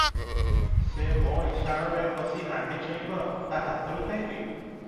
ସେ ମୋ ଇଶାଣରେ ପଶି ହାଣ୍ଡି ଛୁଇଁବ, ତା ହାତରୁ ଖାଇବି?